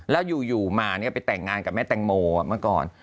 แล้วอยู่มาไปแต่งงานกับแม่แตงโมเมื่อก่อน